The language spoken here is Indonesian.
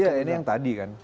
iya ini yang tadi kan